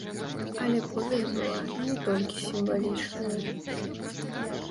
Але повязь была не толькі сімвалічная.